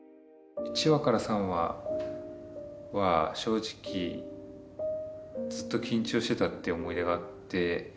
１話から３話は正直ずっと緊張してたっていう思い出があって。